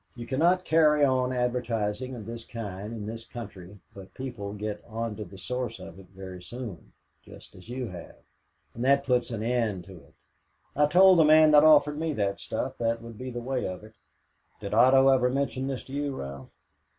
You cannot carry on advertising of this kind in this country but people get onto the source of it very soon, just as you have; and that puts an end to it. I told the man that offered me that stuff that would be the way of it." "Did Otto ever mention this to you, Ralph?"